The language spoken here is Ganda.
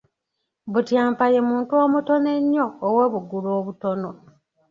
Butyampa ye muntu omutono ennyo ow’obugulu obutono.